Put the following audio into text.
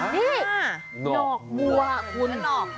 นี่หนอกวัวคุณ